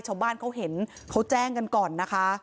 ชาวบ้านเขาเห็นเขาแจ้งกันก่อนนะคะ